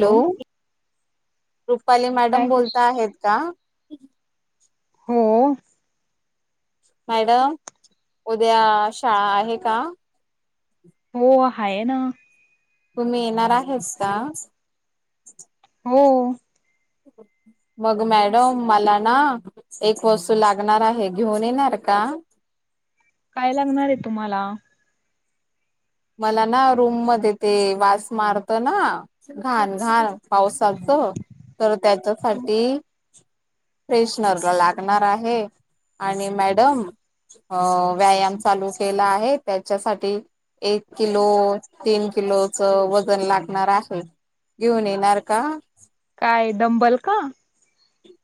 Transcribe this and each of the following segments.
Hello Rupali madam काय बोलता आहेत का? हो. मॅडम उद्या शाळा आहे का? हो आहे ना. तुम्ही येणार आहेस का आज? हो. मग मॅडम मला ना एक वस्तू लागणार आहे घेऊन येणार का? काय लागणार आहे तुम्हाला? मला ना रूममध्ये ते वास मारत ना घाण घाण. पावसाचं तर त्याच्यासाठी फ्रेशनरला लागणार आहे आणि मॅडम अ व्यायाम चालू केला आहे त्याच्यासाठी एक किलो, तीन किलोच वजन लागणार असेल. घेऊन येणार का? काय डंबल का?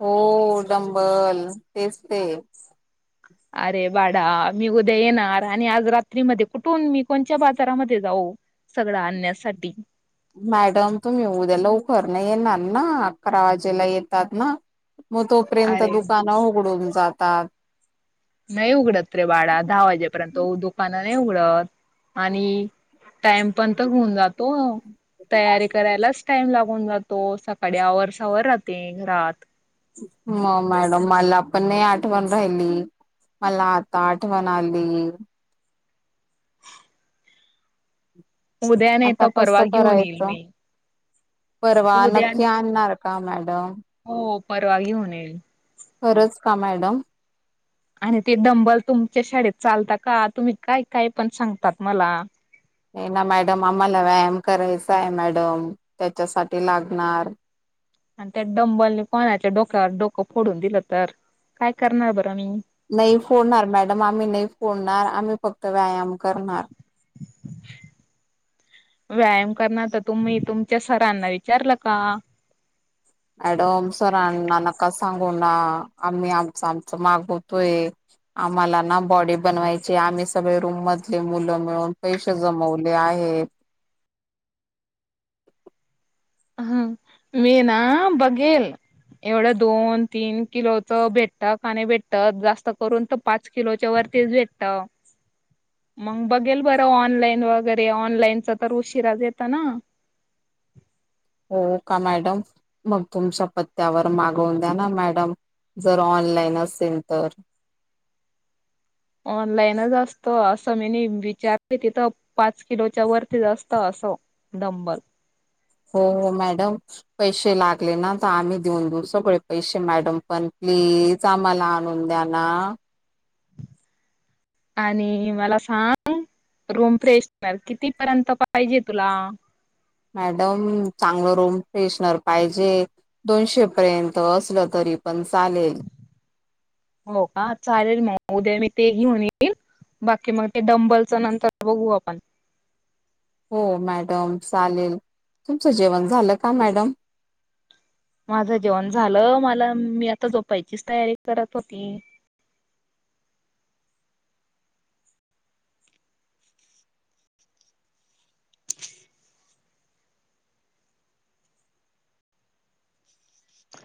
हो डंबल तेच ते. अरे बाडा मी उद्या येणार आणि आज रात्रीमध्ये कुठून मी कोणच्या बाजारामध्ये जाऊ. सगळं आणण्यासाठी. मॅडम तुम्ही उद्या लवकर नाही येणार ना अकरा वाजेला येतात ना. मग तोपर्यंत अरे दुकानं उघडून जातात. नाही उघडत रे बाळा दहा वाजेपर्यंत उ- दुकानं नाही उघडत आणि टाइम पण तर होऊन जातो. तयारी करायलाच टाइम लागून जातो सकाळी आवरसावर राहते घरात. म-मॅडम मला पण नाय आठवण राहिली. मला आता आठवण आली. उद्या नाही आता तर परवा कसं घेऊन येईल करायचं? मी परवा उद्या नक्की आणणार का मॅडम? हो परवा घेऊन येईल. खरंच का मॅडम. आणि ते डंबल तुमच्या शाळेत चालता का? तुम्ही काय काय पण सांगतात मला. ना मॅडम आम्हाला व्यायाम करायचा आहे मॅडम, त्याच्यासाठी लागणार. आणि त्या डंबलने कोणाच्या डोक्यावर डोकं फोडून दिलं तर काय करणार बरं मी. नाही फोडणार मॅडम आम्ही नाही फोडणार आम्ही फक्त व्यायाम करणार. व्यायाम करणार तर तुम्ही तुमच्या सरांना विचारलं का? मॅडम सरांना नका सांगू ना आम्ही आमचं आमचं मागवतोय. आम्हाला ना बॉडी बनवायचीय. आम्ही सगळे रूम मधले मुलं मिळून पैसे जमवले आहेत. वे ना बगेल एवढं दोन-तीन किलोचं भेटतं. का नाही भेटतं जास्त करून तर पाच किलोच्या वरतीच भेटतं. [inaudible] मंग बघेल बरं ऑनलाईन वगैरे ऑनलाईनचं तर उशिराचं येतं ना? हो का मॅडम? मग तुमच्या पत्त्यावर मागवून द्या ना मॅडम. जर ऑनलाईन असेल तर. ऑनलाईनच असतं असं, मीनी विचार तिथं. पाच किलोच्या वरती जास्त असं डब्बल. हो हो मॅडम. पैसे लागले ना तर आम्ही देऊन देऊ, सगळे पैसे मॅडम पण प्लीज. कामाला आणून द्या ना आणि मला सांग, रूम फ्रेशनर कितीपर्यंत पाहिजे तुला. मॅडम चांगलं रूम फ्रेशनर पाहिजेत. दोनशे पर्यंत असलं तरी पण चालेल. हो कां चालेल मग, उद्या मी ते घेऊन येईल. बाकी मग ते डंबलच, नंतर बघू आपण. हो मॅडम चालेल, तुमचं जेवण झालं का मॅडम. माझं जेवण झालं मला मी आता, झोपायची चं तयारी करत होती.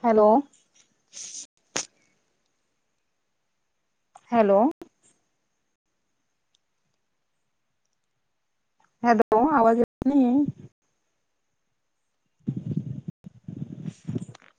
हॅलो. हॅलो, हॅलो, आवाज येत नये. [inaudible]